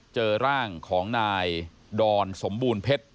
เจอร่างของนายดอนสมบูรณ์เพชร